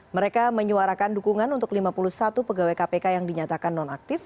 mereka menyuarakan dukungan untuk lima puluh satu pegawai kpk yang dinyatakan non aktif